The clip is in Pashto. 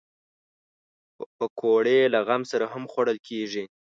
پکورې له غم سره هم خوړل کېږي